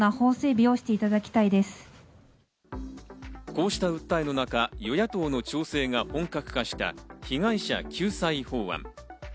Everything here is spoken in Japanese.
こうした訴えの中、与野党の調整が本格化した、被害者救済法案。